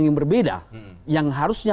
yang berbeda yang harusnya